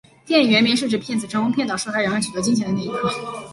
电影原名是指骗子成功骗倒受害人而取得金钱的那一刻。